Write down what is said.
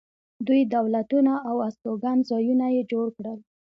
دوی دولتونه او استوګنځایونه یې جوړ کړل